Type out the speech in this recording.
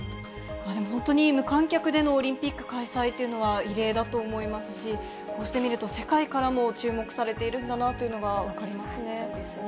でも本当に無観客でのオリンピック開催というのは異例だと思いますし、こうして見ると、世界からも注目されているんだなというのが分かりますね。